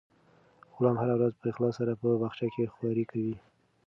غلام هره ورځ په اخلاص سره په باغچه کې خوارۍ کوي.